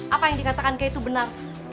apa yang dikatakan ke itu benar